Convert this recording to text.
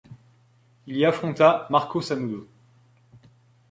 Il y affronta Marco Sanudo.